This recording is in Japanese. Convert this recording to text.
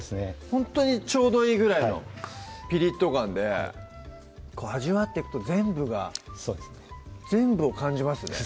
ほんとにちょうどいいぐらいのピリッと感で味わっていくと全部が全部を感じますね